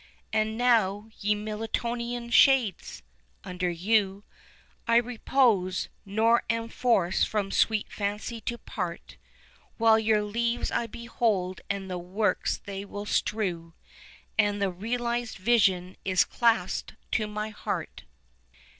And now, ye Miltonian shades! under you 21 I repose, nor am forced from sweet fancy to part, While your leaves I behold and the works they will strew, And the realized vision is clasped to my heart.